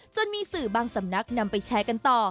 จนมีสื่อบางสำนักนำไปแชร์กันต่อ